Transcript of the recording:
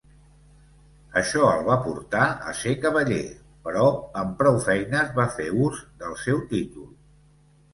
Això el va portar a ser cavaller, però amb prou feines va fer ús del seu títol.